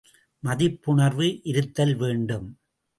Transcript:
மதிப்புணர்வு இருத்தல் வேண்டும்.